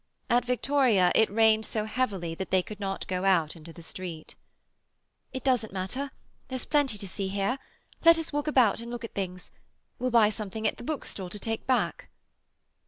At Victoria it rained so heavily that they could not go out into the street. "It doesn't matter. There's plenty to see here. Let us walk about and look at things. We'll buy something at the bookstall to take back."